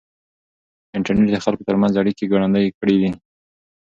انټرنېټ د خلکو ترمنځ اړیکې ګړندۍ کړې دي.